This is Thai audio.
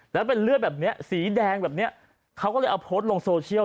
แล้วเป็นเลือดแบบนี้สีแดงแบบนี้เขาก็เลยเอาโพสต์ลงโซเชียล